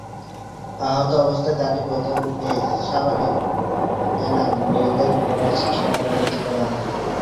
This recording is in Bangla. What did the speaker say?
আহত অবস্থায় তাঁকে প্রথমে সাভারের এনাম মেডিকেল কলেজ হাসপাতালে ভর্তি করা হয়।